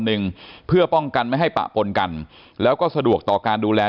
หนึ่งเพื่อป้องกันไม่ให้ปะปนกันแล้วก็สะดวกต่อการดูแล